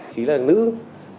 chính là người công an